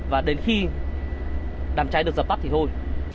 và đến khi đám cháy được dập tắt thì thôi